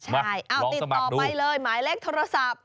มาลองสมัครดูใช่เอาติดต่อไปเลยหมายเลขโทรศัพท์